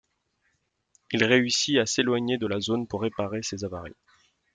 Il réussit à s'éloigner de la zone pour réparer ses avaries.